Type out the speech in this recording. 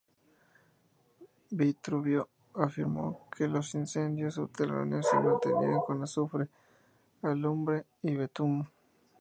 Vitruvio afirmó que los incendios subterráneos se mantenían con azufre, alumbre y betún.